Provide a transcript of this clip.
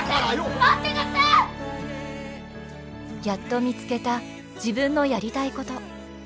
やっと見つけた自分のやりたいこと。